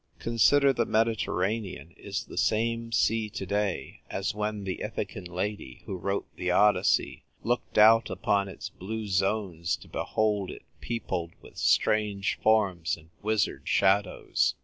Consider, the Medi terranean is the same sea to day as when the Ithacan lady who wrote the Odyssey looked out upon its blue zones to behold it peopled with strange forms and wizard shadows.